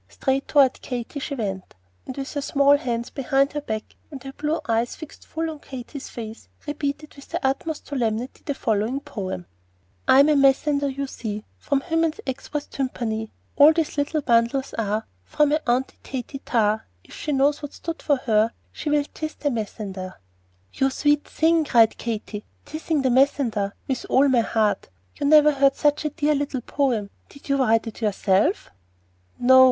Straight toward Katy she went, and with her small hands behind her back and her blue eyes fixed full on Katy's face, repeated with the utmost solemnity the following "poem:" "I'm a messender, you see, Fwom Hymen's Expwess Tumpany. All these little bundles are For my Aunty Taty Tarr; If she knows wot's dood for her She will tiss the messender." [Illustration: "I'm a messender, you see, Fwom Hymen's Expwess Tumpany."] "You sweet thing!" cried Katy, "tissing the messender" with all her heart. "I never heard such a dear little poem. Did you write it yourself, Roslein?" "No.